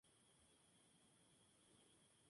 A su sugerencia, el personaje de Suki fue renombrado Aki.